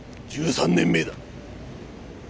１３年前だ。